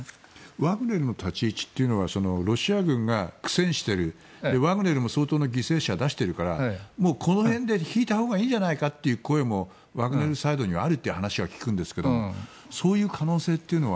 ワグネルの立ち位置というのはロシア軍が苦戦しているワグネルも相当な犠牲者を出しているからこの辺で引いたほうがいいんじゃないかという声もワグネルサイドにはあるという話を聞きますがそういう可能性というのは？